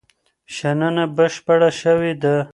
شننه بشپړه شوې ده.